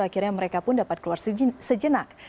akhirnya mereka pun dapat keluar sejenak